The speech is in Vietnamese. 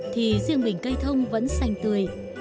thì riêng mình cây thông vẫn xanh tươi